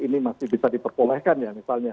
ini masih bisa diperbolehkan ya misalnya